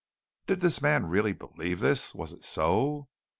Did this man really believe this? Was it so?